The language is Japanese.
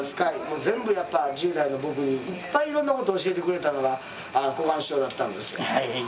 もう全部やっぱ１０代の僕にいっぱいいろんなことを教えてくれたのが小雁師匠だったんですよ。